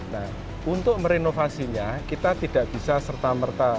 nah untuk merenovasinya kita tidak bisa serta merta